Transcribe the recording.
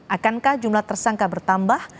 akankah jumlah tersangka bertambah